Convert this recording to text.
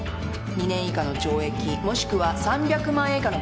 ２年以下の懲役もしくは３００万円以下の罰金もある。